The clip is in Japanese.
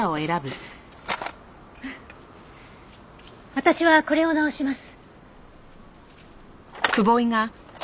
私はこれを直します。